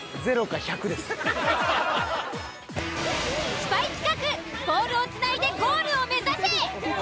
［スパイ企画ボールをつないでゴールを目指せ！］